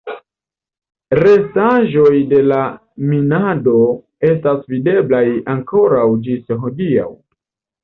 Restaĵoj de la minado estas videblaj ankoraŭ ĝis hodiaŭ.